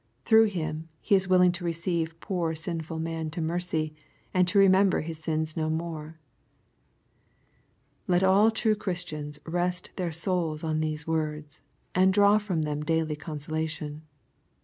Through Him, He is willing to receive poor sinful man to mercy, and to remember his sins no more. Let all true Christians rest their souls on these words, and draw firom them daily consolation.